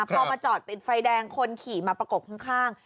พอมาจอดติดไฟแดงคนขี่มาประกบข้าง